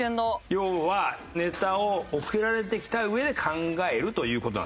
要はネタを送られてきたうえで考えるという事なんです。